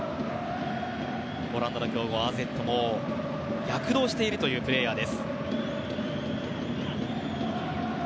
オランダの強豪、ＡＺでも躍動しているというプレーヤー。